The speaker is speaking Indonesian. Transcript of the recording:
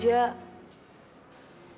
baja gak ada disini